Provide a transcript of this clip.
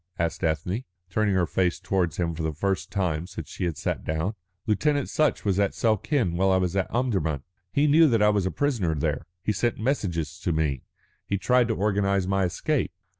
asked Ethne, turning her face towards him for the first time since she had sat down. "Lieutenant Sutch was at Suakin while I was at Omdurman. He knew that I was a prisoner there. He sent messages to me, he tried to organise my escape."